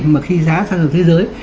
mà khi giá xăng dầu thế giới